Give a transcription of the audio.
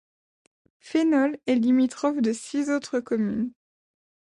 Fénols est limitrophe de six autres communes.